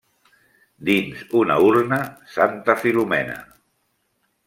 Dins una urna, santa Filomena.